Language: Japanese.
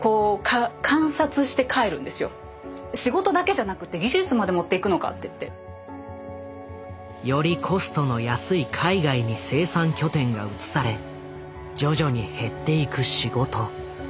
仕事だけじゃなくて技術まで持っていくのかっていって。よりコストの安い海外に生産拠点が移され徐々に減っていく仕事。